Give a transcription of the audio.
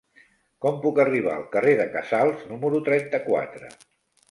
Com puc arribar al carrer de Casals número trenta-quatre?